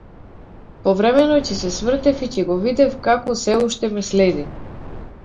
Повремено ќе се свртев и ќе го видев како сѐ уште ме следи.